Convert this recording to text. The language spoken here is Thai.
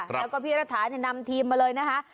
แล้วก็พี่รัฐานำทีมมาเลยนะคะ